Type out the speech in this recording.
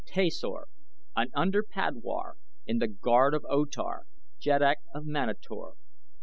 Tasor an under padwar in the guard of O Tar, Jeddak of Manator!